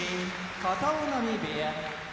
片男波部屋